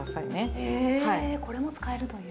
へえこれも使えるという。